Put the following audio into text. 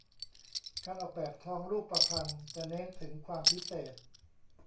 การออกแบบทองรูปพรรณจะเน้นถึงความพิเศษ